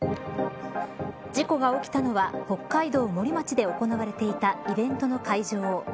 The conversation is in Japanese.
事故が起きたのは北海道森町で行われていたイベントの会場。